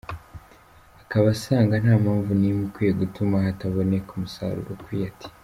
Akaba asanga nta mpamvu n’imwe ikwiye gutuma hataboneka umusaruro ukwiye, ati.